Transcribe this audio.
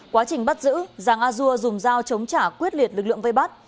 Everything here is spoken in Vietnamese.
quá trình bắt giữ giàng a dua dùng dao chống trả quyết liệt lực lượng vây bắt